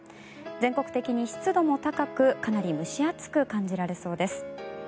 全国的に湿度も高くかなり蒸し暑く感じられそうです。